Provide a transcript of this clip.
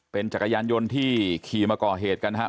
เป็นจักรยานยนต์ที่ขี่มาก่อเหตุกันฮะ